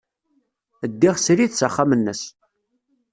Ddiɣ srid s axxam-nnes.